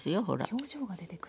表情が出てくる。